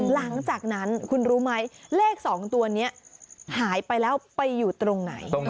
หลังจากนั้นคุณรู้ไหมเลข๒ตัวนี้หายไปแล้วไปอยู่ตรงไหน